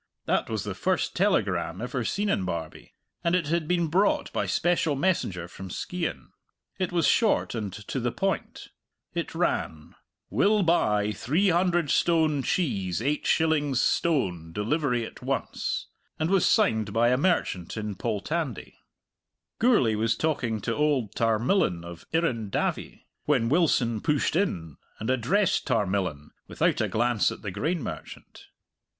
That was the first telegram ever seen in Barbie, and it had been brought by special messenger from Skeighan. It was short and to the point. It ran: "Will buy 300 stone cheese 8 shillings stone delivery at once," and was signed by a merchant in Poltandie. Gourlay was talking to old Tarmillan of Irrendavie, when Wilson pushed in and addressed Tarmillan, without a glance at the grain merchant.